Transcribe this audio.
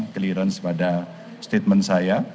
clearance pada statement saya